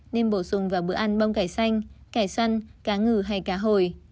nên bổ sung vào bữa ăn bông cải xanh cải săn cá ngừ hay cá hồi